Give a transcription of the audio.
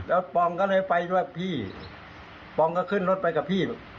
แล้วปอมก็เลยไปด้วยพี่ปอมก็ขึ้นรถไปกับพี่